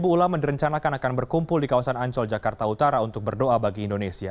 sepuluh ulama direncanakan akan berkumpul di kawasan ancol jakarta utara untuk berdoa bagi indonesia